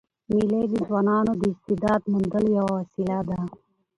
مېلې د ځوانانو د استعداد موندلو یوه وسیله ده.